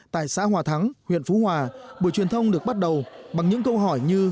tại xã hòa thắng huyện phú hòa buổi truyền thông được bắt đầu bằng những câu hỏi như